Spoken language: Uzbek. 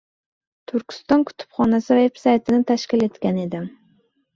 Turkiston kutubxonasi veb-saytini tashkil etgan edim.